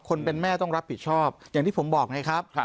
คนเป็นแม่ต้องรับผิดชอบอย่างที่ผมบอกไงครับ